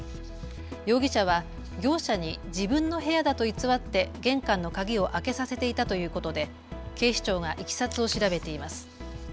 容疑者は業者に自分の部屋だと偽って玄関の鍵を開けさせていたということで警視庁がいきさつを調べています。